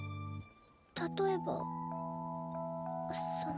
例えばその。